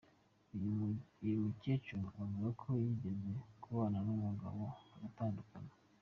Uyu mukecuru avuga ko yigeze kubana n’umugabo bagatandukana.